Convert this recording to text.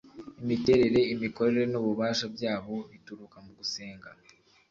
Imiterere, imikorere n ububasha byabo bituruka mu gusenga